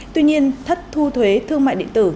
tuy nhiên thất thu thuế thương mại điện tử